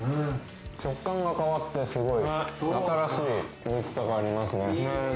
食感が変わってすごい新しいおいしさがありますね。